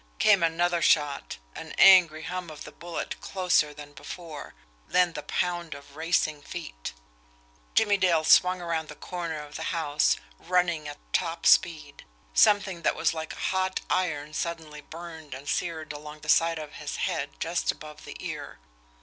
Came another shot, an angry hum of the bullet closer than before then the pound of racing feet. Jimmie Dale swung around the corner of the house, running at top speed. Something that was like a hot iron suddenly burned and seared along the side of his head just above the ear.